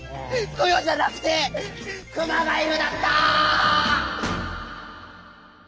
「くよ」じゃなくて「『くま』がいる」だった！